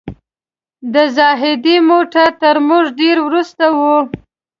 د زاهدي موټر تر موږ ډېر وروسته و.